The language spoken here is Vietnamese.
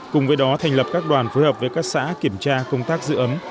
cùng với đó thành lập các đoàn phối hợp với các xã kiểm tra công tác giữ ấm